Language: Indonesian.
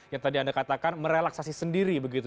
yang tadi anda katakan merelaksasi sendiri begitu